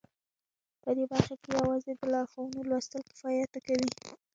په دې برخه کې یوازې د لارښوونو لوستل کفایت نه کوي